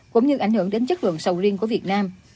cũng như ảnh hưởng đến chất lượng sầu riêng của việt nam